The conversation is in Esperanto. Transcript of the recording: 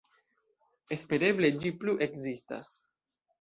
Espereble ĝi plu ekzistas.